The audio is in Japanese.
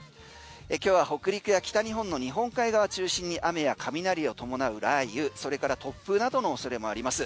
今日は北陸や北日本の日本海側中心に雨や雷を伴う雷雨それから突風などのおそれもあります。